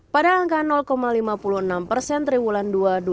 pada angka lima puluh enam persen dari bulan dua dua ribu dua puluh tiga